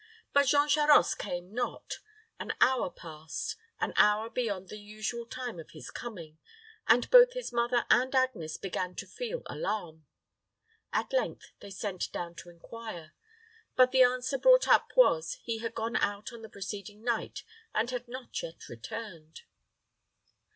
But Jean Charost came not. An hour passed an hour beyond the usual time of his coming and both his mother and Agnes began to feel alarm. At length they sent down to inquire; but the answer brought up was, he had gone out on the preceding night, and had not yet returned.